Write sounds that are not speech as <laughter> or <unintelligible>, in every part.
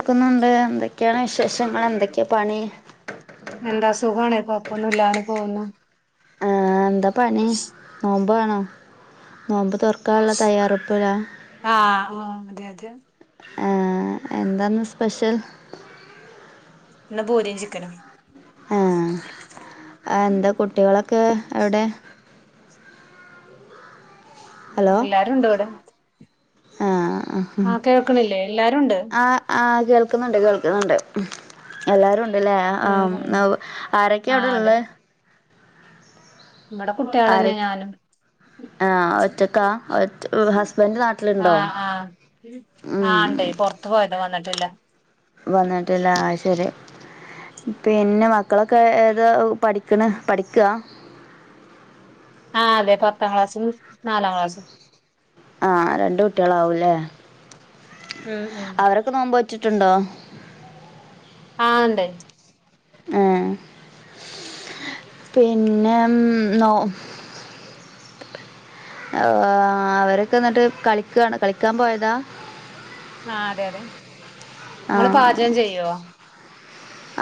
ക്കുന്നുണ്ട്. ന്തൊക്കെയാണ് വിശേഷങ്ങൾ എന്തൊക്ക്യാ പണി. എന്താ സുഖാണേ കോപ്പൊന്നുല്ലാ ങ്ങനെ പോന്നു. ആ എന്താ പണി നോമ്പാണോ? നോമ്പ് തൊർക്- ക്കാള്ള തയ്യാറെട്പ്പിലാ ആഹ് ആഹ് അതെ അതെ ആഹ് എന്താന്ന് സ്പെഷ്യൽ? ന്ന് ഭൂരീം ചിക്കനും ആഹ് ആന്താ കുട്ടികളൊക്കെ എവിടെ? ഉം ഹലോ എല്ലാരുണ്ട് ഇവ്ടെ. ആ അഹ് ആ കേൾക്കണില്ലേ? എല്ലാരുണ്ട്. ആഹ് കേൾക്കുന്നുണ്ട് കേൾക്കുന്നുണ്ട് എല്ലാരുംണ്ടല്ലേ ഉം ഉം ആഹ് ആരൊക്കെ ആഹ് അവിടെള്ള അതെ ഇവിടെ കുട്ടികൾ തന്നെ ആരൊക്കെ ഞാനും ആ ഒറ്റക്കാ ഹസ്ബൻഡ് നാട്ടിലുണ്ടോ ആഹ് ആഹ് ഉം ആഹ് ഉണ്ടേ പുറ ത്ത് പോയതാ വന്നിട്ടില്ല. വന്നിട്ടില്ല ആഹ് ശരി പിന്നെ മക്കളൊക്കെ ഏതാ പഠിക്കണ് പഠിക്കാ ആഹ് അതെ പത്താം ക്ലാസ്സും നാലാം ക്ലാസും ആഹ് രണ്ട കുട്ടികളാവൂല്ലേ? ഉം ഉം നോമ്പ് നോചിട്ടുണ്ടോ ആഹ് ഉണ്ട് ആഹ് <inaudible> പിന്നെ നോ അവരൊക്കെ എന്നിട്ട് കളിക്കയാണ് കളിക്കാൻ പോയതാ ആഹ് അതെ അതെ ആ നിങ്ങള് പാചകം ചെയ്യുവോ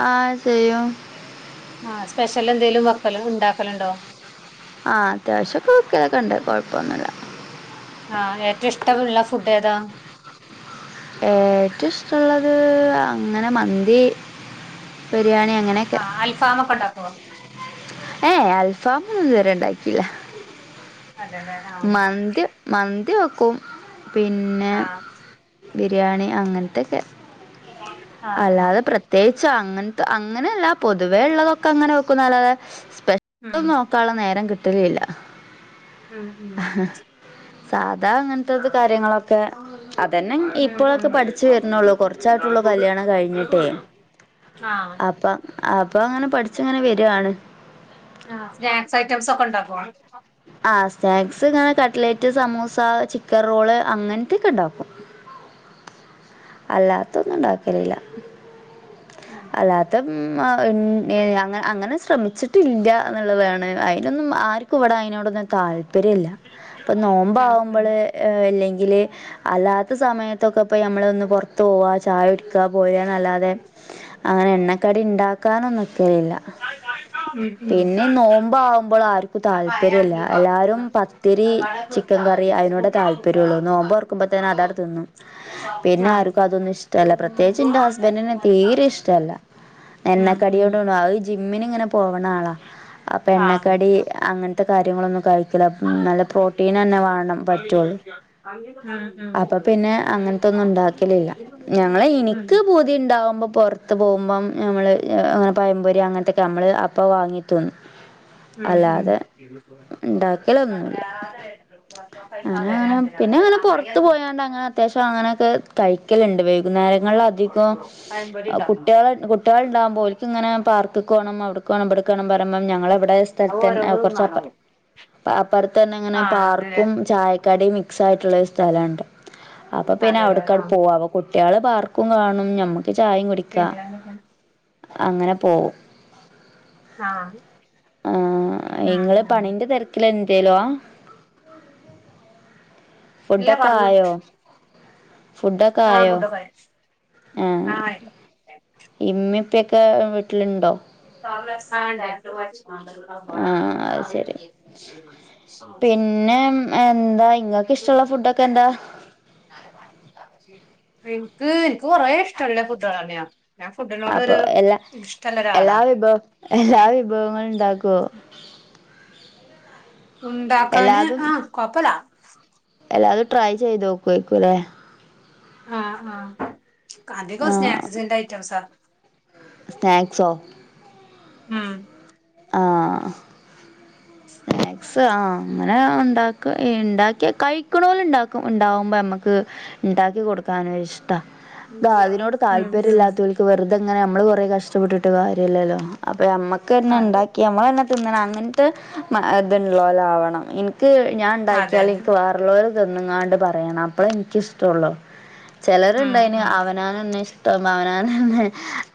ആഹ് ചെയ്യും ആഹ് സ്പെഷ്യൽ എന്തേലിലും വക്കല് ഉണ്ടാക്കലുണ്ടോ ആഹ് അത്യാവശ്യംക്കേ വേക്കലണ്ട് കുഴപ്പമൊന്നുല്ല ആഹ് ഏറ്റവും ഇഷ്ടമുള്ള ഫുഡ് ഏതാ ഏറ്റവും ഇഷ്ടമുള്ളത് അങ്ങനെ മന്തി ബിരിയാണിയ ആഹ് അൽഫാമ്ക്ക ഒണ്ടാക്ക്‌വോ ഏയ് അൽഫാമ് ഒന്നും ഇത് വരെ ഉണ്ടാക്കിയില്ല അതെല്ലെ മന്തി മന്തി വെക്കും പിന്നെ ആഹ് ബിരിയാണി അങ്ങനത്തൊക്കെ <unintelligible> അല്ലാതെ പ്രത്യേകിച്ച് അങ്ങനത്തെ അങ്ങനെയല്ല പൊതുവേ ഉള്ളതൊക്കെ അങ്ങനെ വെക്കും അല്ലാതെ സ്‌ ഉം അതോന്നും നോക്കാനുള്ള നേരം കിട്ടനില്ല ഉം ഉം <inaudible> സാധാ അങ്ങനത്തെത് കാര്യങ്ങളൊക്കെ അതന്നെ ആഹ് ഇപ്പോഴൊക്കെ പഠിച്ചു വരണള്ളൂ കുറച്ചായിട്ടുള്ളു കല്യാണം കഴിഞ്ഞിട്ടെ ആഹ് അപ്പ അപ്പൊ അങ്ങനെ പഠിച്ചങ്ങനെ വരുണ് ആഹ് സ്നാക്സ് ഐറ്റംസ്ക്കെ ഉണ്ടാക്കുമോ ആഹ് സ്നാക്സ് അങ്ങനെ കട്ലറ്റ് സമൂസ ചിക്കൻ റോള് അങ്ങനത്തൊക്കെ ഉണ്ടാക്കും അല്ലാത്ത ഒന്നും ഉണ്ടാക്കലില്ല ഉം ഉം അല്ലാത്ത ഉം അങ്ങനെ ശ്രമിച്ചിട്ടില്ല എന്നുള്ളതാണ് അതിനൊന്നും ആർക്കും ഇവിടെ അതിനോട് ഒ ന്നും താല്പര്യല്ല അപ്പൊ നോമ്പ് ഉം ഉം ആകുമ്പോളേ അല്ലെങ്കിൽ അല്ലാത്ത സമയത്തൊക്കെ പോ നമ്മള് ഒന്ന് പുറത്ത് പോവാ ചായക്കു ഇക്ക പോയ അല്ലാതെ അങ്ങനെ എണ്ണക്കടി ഉണ്ടാക്കാൻ നിക്കലില്ല ഉം ഉം പിന്നെ നോമ്പ് ആകുമ്പോൾ ആർക്കും അപ്പൊ അയാൾ താല്പര്യല്ല ഈ കൊ- എല്ലാവരും പത്തിരി വട ചിക്കൻ കറി പൊരിച്ചാവൂലേ? ആഹ് ഉം അതിനോടെ ഉം താല്പര്യം ഉള്ളൂ ആഹ് നോമ്പ് തുറക്കുമ്പോൾത്തന്നെ അത് അങ്ങടെ തിന്നും പിന്നെ ആർക്കും അതൊന്നും ഇഷ്ടല്ല പ്രത്യേകിച്ച് എന്റെ ഹസ്ബൻറിന് തീരെ ഇഷ്ടല്ല എണ്ണക്കടിയോട്ണു ജിമ്മിന് ഇങ്ങനെ പോവണ ആളാ അപ്പൊ എണ്ണക്കടി അങ്ങനത്തെ കാര്യങ്ങളൊന്നും കഴി ക്കുല നല്ല പ്രോട്ടീൻ തന്നെ വേണം പറ്റുള്ളു അപ്പൊ പിന്നെ അങ്ങ ത്തെ ഒന്നും ഉം ഉണ്ടാക്കലില്ല ഞങ്ങൾ ഉം ഉം എനിക്ക് ബു ദ്ധി ഉണ്ടാകുമ്പോൾ പുറത്ത് പോകുമ്പം നമ്മൾ അങ്ങനെ പയമ്പൊരി അങ്ങനത്തൊക്കെ നമ്മൾ അപ്പോൾ വങ്ങിട്ട് വന്ന് <inaudible> മ് മ് ഉണ്ടാക്കലൊന്നുമില്ല അങ്ങനെ അങ്ങനെ പിന്നെ അങ്ങനെ പുറത്ത് <unintelligible> പോയാണ്ട് അങ്ങനെ അത്യാവശ്യം അങ്ങനെയൊക്കെ കഴിക്കലുണ്ട് വൈകുന്നേരങ്ങളില അധികം പഴംപൊരി ഉണ്ടാക്കണം കുട്ടികളെ കുട്ടികളണ്ടാവക്പോ ഓലോക് ഇങ്ങന പാർക്കക്ക് പോണം അവിടുക്ക് വേണം ഇവിടടു വേണം പറുയുമ്പം ഞങ്ങളിവിടെ ത അത് തന്നെ ഓരോന്ന് തിന്നാനോ കുറച്ച്പ്പറം. അപ്പുറത്ത് തന്നെ അങ്ങനെ ആ അതെ പാർക്കും ചായക്കടയും മിക്സയിയിട്ടുള്ളൊ ഒരു സ്ഥലമുണ്ട്. അപ്പൊ പിന്നെ അതെല്ലോ അവിടുക്ക ആ പോകും അ കുട്ടികള് പാർക്കും കാണും ഞമ്മക്ക് ചായയും കുടിക്ക പ്രേമിലന്നക്കാ അങ്ങനെ പോകവും. ആഹ ഉം ഉം പണി ന്റെ തിരക്കില എന്തേലുവ. ഇല്ല ഫുഡൊക്കെ പറഞ്ഞു ആയോ ഫുഡൊക്കെ ആ ആയോ ഫുഡൊക്കെ ആയി. ആഹ. ആ ആയി ഇമ്മിപ്പൊക്കെ വീട്ടിലുണ്ടോ? ആ അത് ശരി <unintelligible> പിന്നെ <inaudible> കാന്താ നിക്ക് എനിക്ക് കൊറെേ ഇഷ്ടല്ലേ കൂട്ടികലനിന്നെയാ. ഞാൻ ഫുഡിനോട് അപ്പോൾ ഒരു എല്ലാ ഇഷ്ടമുള്ള എല്ലാ ഒരാളാ. വിഭവം എല്ലാ വിഭവങ്ങളും ഉണ്ടാക്കുവോ. ഉണ്ടാക്കാന് എല്ലാതും ആഹ കൊപ്പല. എല്ലാതും ട്രൈ ചെയ്ത് നോക്കുവേക്കും അല്ലേ. ആഹ ആഹ അധിക ആഹ് സ്നാക്സ് സിന്റ് ഐറ്റംസ സ്നാക്സോ ഉം ആഹ ആഹ അങ്ങനെ ഉണ്ട ഉണ്ടാക്കിയ കഴിക്കണല ണ്ടകിയ ഉണ്ടാവുമ്പോ നമ്മക്ക് ണ്ടാക്കി ഉം കൊടുക്കാന് ഇഷ്ട ത് അതിനോട് താല്പര്യം ഉം ല്ലാത്തോൽക്ക് വെറുതെങ്ങനെ നമ്മള് കുറേ കഷ്ടപ്പെട്ടിട്ട് കാര്യല്ലല്ലോ അപ്പൊ നമ്മക്ക് അതെ ന്നെണ്ടാക്കി നമ്മളന്നെ തിന്നണം അങ്ങിൻത്തെ ത്ള്ളോലാവണം ഇൻക്ക് ഞാൻ അതെ ണ്ടാക്കിയാല അതെ എനിക്ക് വേറെ ള്ളോല് തിന്ന്ങ്ങാണ്ട് പറയണം അപ്പ്ളെ ഇൻക്കിഷ്ട്ടൊള്ളൂ ഉം ചലരുണ്ടായിന് ഉം അവനാണന്നെ ഇഷ്ടം അവനാണന്നെ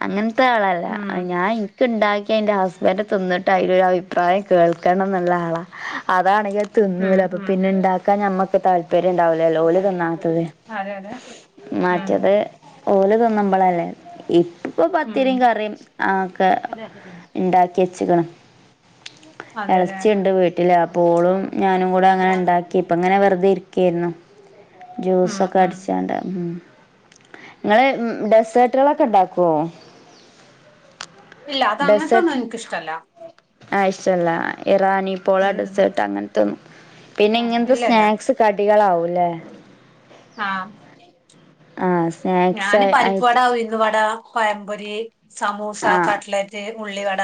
അങ്ങനത്തെ ആളല്ല ഉം ഞാൻ ക്ക് ണ്ടാക്കി അയ്ന്റെ ഹസ്ബന്റ് തിന്നിട്ട് അയ്ലൊരു അഭിപ്രായം കേൾക്കണം ന്നുള്ള ആളാ അതാണെങ്കി തിന്നൂല ഉം അപ്പൊ ഉം പിന്നെ ണ്ടാക്കാ ഞമ്മക്ക് താൽ പര്യം ണ്ടാവുലല്ലോ ഓല് തിന്നാത്തത് അതെ അതെ ഉം മറ്റത് ഓല് തോന്നുമ്പളല്ലേ ഇപ് ഇപ്പൊ ഉം പത്തിരിം കറിം ആ ഒക്കെ ണ്ടാക്കിച്ച്ക്ക്ണ് അതെല്ലേ എളച്ചിണ്ട് വീട്ടില് അപ്പൊ ഓളും ഞാനും കൂടെ അങ്ങനെ ഉണ്ടാക്കി ഇപ്പങ്ങ നെ വെറുതെ ഇരിക്കേരുന്നു ഉം ജ്യൂസൊക്കെ ഉം അടിച്ചാണ്ടാർന്നു ങ്ങള് ഡെസേർട്ടുകളൊക്കെ ണ്ടാക്കുവോ. ഇല്ല അത അങ്ങൻത്തൊന്നും ഡെസേർട്ട് എൻക്കിഷ്ടല്ല. ആ ഇഷല്ല ഇറാനി പോള ഉം ഡെസേർട്ട് അങ്ങനത്തൊന്നും പിന്നെ ഇങ്ങനത്തെ ഇല്ലല്ല സ്നാക്സ് കടികളാവൂലെ? ആ സ്നാക്സ് ഞാന് പരിപ്പ് ആയിട്ട് വടാ ഉഴുന്നുവടാ പഴംപൊരി, സമൂസ, ആ കട്ലറ്റ്, ഉള്ളിവട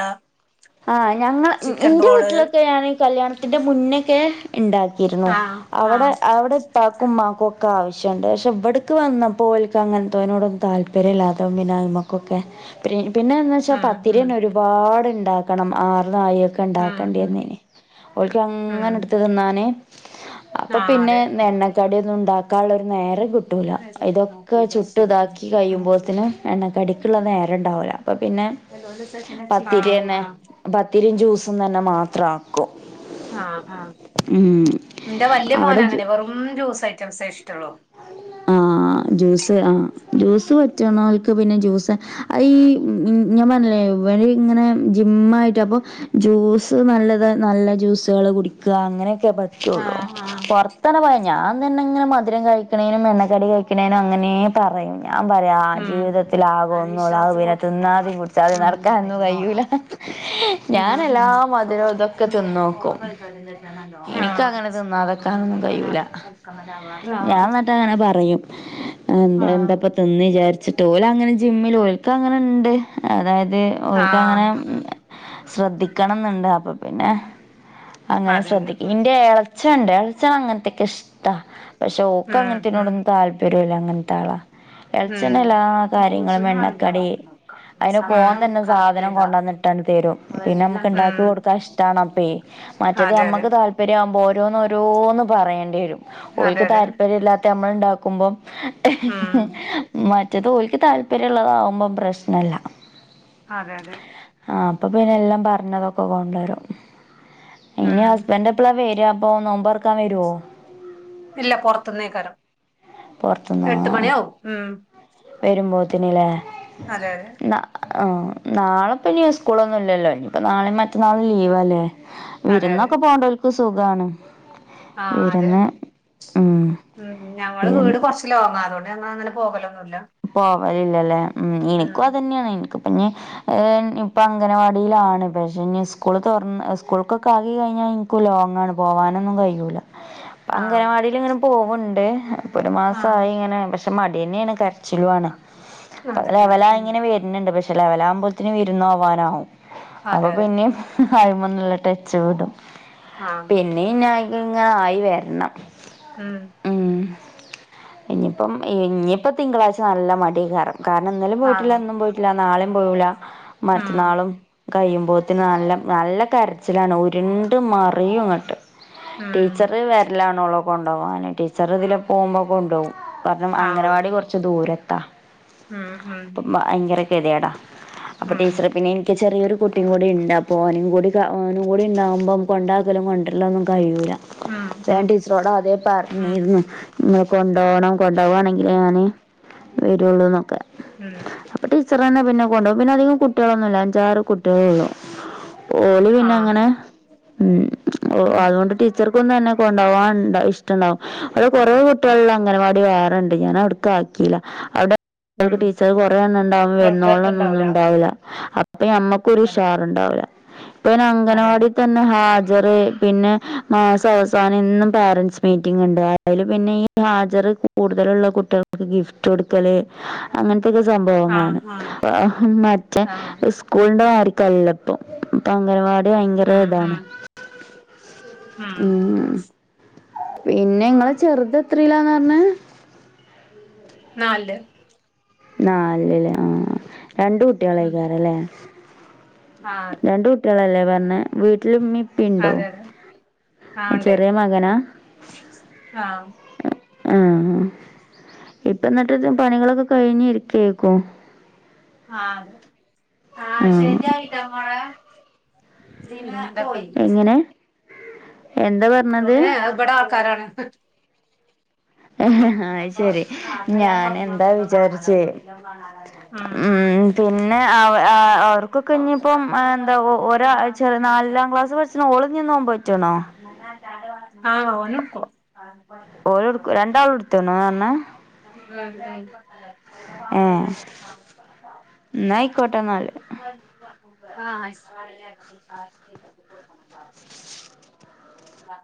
ആ ഞങ്ങൾ ചിക്കൻ ഇന്റെ റോള് വീട്ടിലൊക്കെ ഞാനീ കല്യാണത്തിന്റെ മുന്നൊക്കെ ഉണ്ടാക്കിയിരുന്നു. ആഹ് അവിടെ ആഹ് അവിടെ പാക്കുമ്മാക്കും ഒക്കെ ആവശ്യണ്ട് പക്ഷേ ബട്ക്ക് വന്നാപ്പോൽക്ക് അങ്ങനത്തെനോടൊ താല്പര്യല്ലാതും പിന്നെയ്മ ഓക്കെ പി പിന്നെന്ന് വെച്ചാൽ ഉം ഉം പത്തിരിന ഒരുപാട്ണ്ടാക്കണം ആർന്നായിക്കെ ഉം ഉം ഉണ്ടാക്കണ്ടിന്നേന് ഓൽക്ക് അങ്ങനെ ഉം ട്ത്ത് തിന്നാനെ. അപ്പൊ ആഹ് പിന്നെ അതെ എണ്ണക്കടിന്നും ഉണ്ടാക്കാള്ളൊരു നേരെം കിട്ടൂല ഇതൊ ക്കെ ചുട്ട് താക്കി ആഹ് കഴുമ്പോത്തിന് എണ്ണക്കടിക്കുള്ള നേരംണ്ടാവുല അപ്പ പിന്നെ ഹലോ ഹലോ സ പിനച്ച പത്തിരിം ജ്യൂസും തന്നെ മാത്രം ആക്കും ആ ആ ഉം ന്റെ വല്യ മോന് അവിടെ അങ്ങനെ വെറും ജ്യൂസ് ഐറ്റംസേ ഇഷ്ടള്ളൂ ആ ജ്യൂസ് ആ ജ്യൂസ് പറ്റണോൽക്ക് പിന്നെ ജ്യൂസ് അ ഈ ഞാൻ പറഞ്ഞില്ലേ ഇവര് ഇങ്ങനെ ജിം ആയിട്ട് അപ്പൊ ജ്യൂസ് നല്ലത് നല്ല ജ്യൂസുകള് കുടിക്കും ക്ക് അങ്ങനെയൊക്കെ പറ്റുള്ളൂ ആഹ് ആഹ് പുറത്ത തന്നെ പോയാ ഞാൻ തന്നെ ഇങ്ങനെ മധുരം കഴിക്കണ എന്നും എണ്ണക്കടി കഴിക്ക്ണേന് അങ്ങനെ പറയും ഞാൻ പറയാ ആ ഉം ജീവിതത്തില ആകോ ഒന്നുംള്ള പിന്നെ തിന്നാതി കുടിച്ചാതി ഉം നടക്കാനോന്നും കഴിയുല ഞൻ ഉം എല്ലാ ഉം മധരം ഇതൊക്കെ തിന്നോക്കും എനിക്ക് ആഹ് അങ്ങനെ തിന്നാത ക്കാൻ കയൂല ഞാൻ ആഹ് ന ക്ക അങ്ങനെ പറയും ആഹ് എന്താപ്പ തിന്ന് വിചാരിച്ചിട്ട് ഓല അങ്ങനെ ജിമ്മിൽ പോ പ്പ അങ്ങനെ ഇണ്ട് അതായത് ഒൽക്ക് അങ്ങനെ ആഹ് ശ്രദ്ധിക്കണം ന്ന്ണ്ട് അപ്പൊ പിന്നെ അങ്ങനെ അതെ അതെ ശ്രദ്ധിക്കും ഇന്റെ എളച്ചണ്ട് എളച്ചന് അങ്ങനത്തൊക്കെ ഇഷ്ട പക്ഷെ ഒ ക്ക് ഉം ഉം അങ്ങനത്തിനോടോന്നും താല്പര്യല്ല അങ്ങൻത്ത ആളാ എളച്ചൻ ഉം എല്ലാ കാര്യങ്ങളും എണ്ണക്കടി അയിനൊക്കെ ഓൻ ഉം തന്നെ സാധനം കൊണ്ടന്ന് ട്ടണ്ട് തരും പിന്നെ നമ്മക്ക് ഉം ണ്ടാക്കികൊടുക്കൻ ഇഷ്ട്ടാണപ്പേ മറ്റേ അതെ അതെ നമ്മക്ക് താല് താല്പര്യകുമ്പോ ഓരോന്ന് ഓരോന്ന് പറയേണ്ടിരും അതെ ഓൽക്ക് അതെ താല് പര്യല്ലാത്ത നമ്മൾണ്ടാക്കുമ്പോ ഉം മറ്റത് ഓൽക്ക് താല്പര്യള്ളതാകുമ്പ പ്രശ്നല്ല അതെ അതെ ആ അപ്പൊ പിന്നെ എല്ലാം പറഞ്ഞതൊക്കെ കൊണ്ടുവരും ഇനി ഉം ഹസ്ബൻഡ എപ്പളാ വര അപ്പോ നോമ്പറക്കാൻ വരോ? ഇല്ല പുറത്ത്ന്നേക്കരം എട്ട് മണിയാവും ഉം വരുമ്പോത്തിന്ലെ അതെ അതെ ന ആ നാളെപ്പം ഇനി സ്കൂളൊന്നും ഇല്ലല്ലോ ഇനിയിപ്പോൾ നാളെയും മറ്റന്നാളും ലീവല്ലേ അതെ അതെ വിരുന്നൊക്കെ പോണ്ടോൽക്ക് സുഖാണ് ആഹ് അതെ വിരുന്ന് ഉം ഉം ഞങ്ങള് വീട് വിരുന്ന് കുറച്ച് ലോങ്ങ അതോണ്ട് ഞങ്ങ അങ്ങനെ പോകലൊന്നുല്ല പോവലില്ലല്ലേ ഉം ഇനിക്കും അതനെയാണ് ഇനിക്ക്പ്പഞ്ഞ് അഹ് ഇപ്പൊ അംഗനവാടിയിലാണ് പക്ഷെ ഇഞ്ഞ് സ്കൂൾ തുറന്ന് സ്കൂൾക്കൊക്കെ ആക കഴിഞ്ഞാൽ ക്കുലോങ്ങാണ് പോവാനൊന്നും കഴൂല്ല ആഹ് അംഗനവാടിൽ ഇങ്ങനെ പോവ്ണ്ട് ഒരു ആഹ് മാസായി ഇങ്ങനെ പക്ഷെ മടി ന്നെയാണ് കര ച്ചിലുണ് അതെല്ലേ ഉം ലെവലായിങ്ങനെ വരുന്നുണ്ട് പക്ഷെ ലെവലാമ്പോഴത്തേന് വിരുപോവാനാവും അപ്പൊ അതെ അതെ പിന്നിം അലിമനില്ല ടച്ച് വിടും ആഹ് നീ ഇങ്ങനെ ആയിക്കയിഞ്ഞാ ആയിവര്ണം ഉം ഉം ഇനിയിപ്പം ഇനിയിപ്പം തിങ്കളാഴ്ച നല്ല മടി അയക്കാരം കാരണം ഇന്നലെയും ആ പോയിട്ടില്ല ഇന്നും പോയിട്ടില്ല നാളെയും പോവുല ഉം മറ്റന്നാളും കയുമ്പോഴത്തന് നല്ല നല്ല കരച്ചിലാണ് ഉരുണ്ട് മറിയും ഇങ്ങട്ട് ഉം ടീച്ചർ വരലാണോളേ കൊണ്ടോ വാന് ടീച്ചർ ഇതിലെപോകുമ്പോ കൊണ്ടോകും കണം ആ അംഗനവാടി കുറച്ച് ദൂര ത്താ ഉം ഉം അപ്പൊ ഭയങ്കര ഭയങ്കര കോ തിയേടാ അപ്പൊ ഉം ടീച്ചറ് പിന്നെ ക്ക് ചെറിയൊരു കുട്ടിയും കൂടി ഇണ്ട് അപ്പോൾ ഓനും കൂടി ഓനും കൂടി ഇണ്ടാകുമ്പം കൊണ്ടാക്കലും കൊണ്ട രല്ലൊന്നും കഴിയുല്ല ഉം ഞാൻ ഉം ടീച്ചറോട് അതെ ഉം പറഞ്ഞിന്നു ഇങ്ങള് കൊണ്ടോണം കൊണ്ടോവാണെങ്കിൽ ഉം ഞാന് വരുള്ളൂന്നൊക്കെ ഉം അപ്പൊ ടീച്ചർന്നെ പിന്നെ കൊണ്ടോവും പിന്നെ അധികം കുട്ടികളൊന്നുല്ല അഞ്ചാറ് കുട്ടിളോള്ളു ഓൾ ആ പിന്നെ അങ്ങനെ ഉം ഒ ഉം അതോണ്ട് ട്ടി ടീച്ചർക്കും തന്നെ കൊണ്ടാവാൻ ഇഷ്ടണ്ടാവും അവടെ കൊറേ കുട്ടികളുള്ള അംഗൻവാടി വേറണ്ട് ഞാൻ അവടക്ക് ആക്കി അവിടെ ഉം ടീച്ചർ കൊറേണ്ണം ണ്ടാവുമ്പോ ഒന്നും വെന്നോളണം ന്നും പ്രകൃതത്തുണ്ടാവൂല ണ്ടാവില്ല അപ്പൊ ഞമ്മക്കരു ഉഷാറുണ്ടാവില്ല ഇപ്പ മഴ അങ്കൻവാടി തന്നെ ഹാ അവിടെ പിന്നെ മാസ അവസാനം എന്നും പോരന്റ്സ് മീറ്റിംഗ് ഉണ്ടാവല് ണ്ട് അതില് പിന്നെ ഈ ഹാജർ കൂടുതലുള്ള കുട്ടികൾക്ക് ഗിഫ്റ്റ് കൊടുക്കല് അങ്ങനത്തൊക്കെ ആ സംഭവങ്ങളാണ് ആ ആഹ് മറ്റേ ആ സ് സ്കൂളിൻ്റെ മാരിക്കല്ലല്ലോ ഇപ്പൊ അംഗനവാടി ഭയങ്കര ഉം ഉം ഇതാണ് ഉം പിന്നെ നിങ്ങളെ ചെറുത് എത്രീല്ലാണ്ന്നാ പറഞ്ഞേ <unintelligible> നാലില് നാലില് ലെ ആ രണ്ട് ഉം കുട്ടികളായിരിക്കല്ലേ ആ അതെ രണ്ട് കു കുട്ടികളല്ലേ പറഞ്ഞേ വീട്ടില് ഇമ്മീം ഇപ്പിണ്ടോ അതെ അതെ ആ ഉണ്ട് ചെറിയ മകനാ ആ ആഹ് ഇപ്പ എന്നിട്ട് പണികളൊക്കെ കഴിഞ് ഇരിക്കേക്കും ആ അതെ ആ ശരിയായിട്ടോ മോളെ <unintelligible> എങ്ങനെ എന്താ പറ ഏ എ അത്‌ ഇബടെ ആൾക്കാരാണ് <unintelligible> ആ അത്‌ശരി ഞാൻ എന്താ വിചാരിച്ചേ ഉം പിന്നെ അവ അ അവർക്കൊക്കെ ഇനിയിപ്പം എന്താപ്പൊ ഒരാഴ്ച നാലിലാം ക്ലാസ്സ് പഠിച്ചിണ ഓള് ന്ന് നോമ്പോറ്റ്ണോ <unintelligible> ഓന് ഇട്ക്കും ഓല് ഇടക്കും രണ്ടാളും ഇട്ത്ത്ക്ക്ണ് ന്നാ പറഞ്ഞെ ആഹ് ഏ <unintelligible> എന്നാ ആയിക്കോട്ടെ ആ എന്നാല് ഷ് <unintelligible> കൊടുക്കണംട്ടോ. ആ.